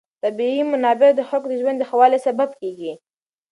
طبیعي منابع د خلکو د ژوند د ښه والي سبب کېږي.